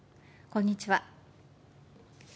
こんにちは。